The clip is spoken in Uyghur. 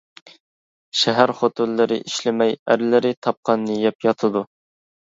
شەھەر خوتۇنلىرى ئىشلىمەي ئەرلىرى تاپقاننى يەپ ياتىدۇ.